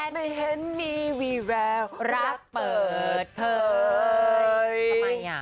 ไม่เห็นมีวีแววรักเปิดเผย